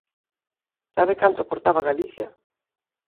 ¿Sabe canto aportaba Galicia?